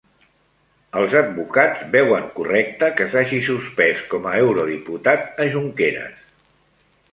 Els advocats veuen correcte que s'hagi suspès com a eurodiputat a Junqueras